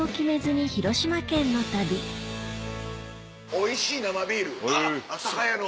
おいしい生ビール酒屋の。